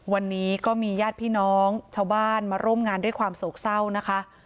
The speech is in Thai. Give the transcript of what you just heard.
วันนี้ก็มีญาติพี่น้องชาวบ้านมาร่วมงานด้วยความโศกเศร้านะคะ